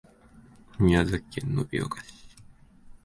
宮崎県延岡市